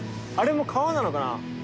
あれも川なのかな？